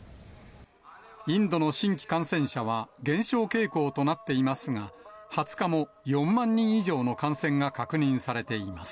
インドの新規感染者は減少傾向となっていますが、２０日も４万人以上の感染が確認されています。